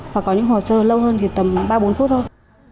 và có những hồ sơ lâu hơn thì tầm ba bốn phút thôi